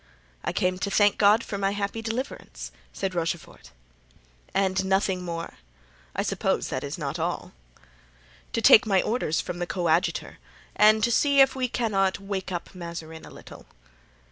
"I came to thank God for my happy deliverance," said Rochefort. "And nothing more? I suppose that is not all." "To take my orders from the coadjutor and to see if we cannot wake up Mazarin a little."